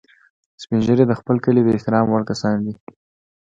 سپین ږیری د خپل کلي د احترام وړ کسان دي